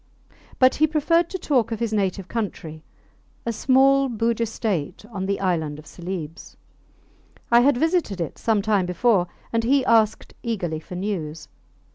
But he preferred to talk of his native country a small Bugis state on the island of Celebes. I had visited it some time before, and he asked eagerly for news.